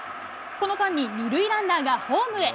この間に２塁ランナーがホームへ。